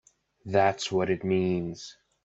That's what it means!